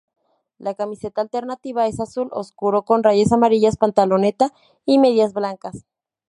La camiseta alternativa es azul oscuro con rayas amarillas, pantaloneta y medias blancas.